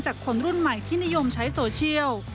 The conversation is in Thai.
คนรุ่นใหม่ที่นิยมใช้โซเชียล